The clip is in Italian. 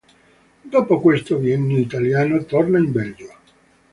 Dopo questo biennio italiano torna in Belgio.